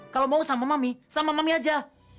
kalau mau sama mami sama mami aja